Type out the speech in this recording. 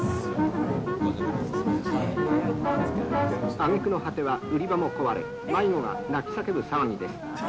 あげくの果ては売り場も壊れ、迷子が泣き叫ぶ騒ぎです。